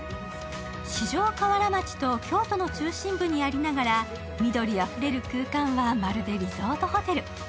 四条河原町と京都の中心部にありながら緑あふれる空間はまるでリゾートホテル。